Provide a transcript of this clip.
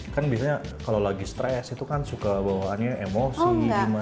kan biasanya kalau lagi stres itu kan suka bawaannya emosi gimana